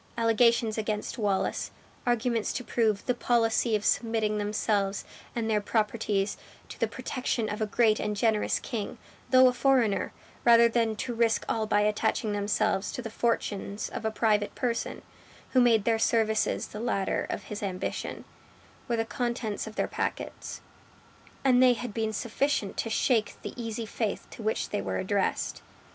Allegations against Wallace; arguments to prove "the policy of submitting themselves and their properties to the protection of a great and generous king, though a foreigner, rather than to risk all by attaching themselves to the fortunes of a private person, who made their services the ladder of his ambition," were the contents of their packets; and they had been sufficient to shake the easy faith to which they were addressed.